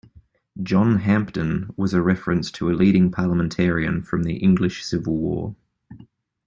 "John Hampden" was a reference to a leading parliamentarian from the English Civil War.